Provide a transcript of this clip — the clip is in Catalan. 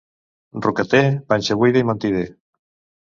Roqueter, panxabuida i mentider.